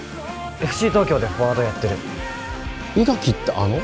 ＦＣ東京でフォワードやってる伊垣ってあの？